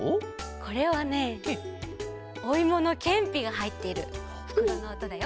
これはねおいものけんぴがはいってるふくろのおとだよ。